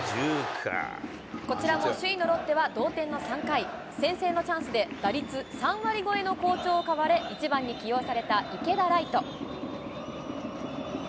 こちらも首位のロッテは同点の３回、先制のチャンスで打率３割超えの好調を買われ、１番に起用された池田来翔。